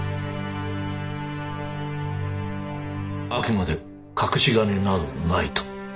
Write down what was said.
あくまで隠し金などないと？